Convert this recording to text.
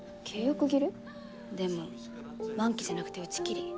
でも満期じゃなくて打ち切り。